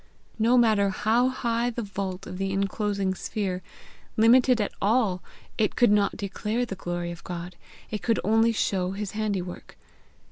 No matter how high the vault of the inclosing sphere; limited at all it could not declare the glory of God, it could only show his handiwork.